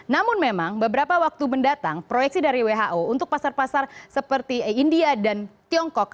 namun memang beberapa waktu mendatang proyeksi dari who untuk pasar pasar seperti india dan tiongkok